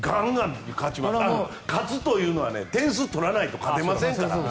勝つというのは点数を取らないと勝てませんから。